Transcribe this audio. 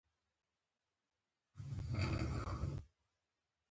د خلکو د حقونو رعایت د ایمان برخه ده.